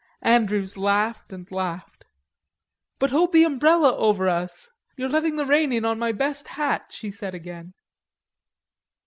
Andrews laughed and laughed. "But hold the umbrella over us.... You're letting the rain in on my best hat," she said again.